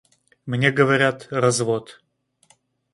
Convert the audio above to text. Мне говорят — развод.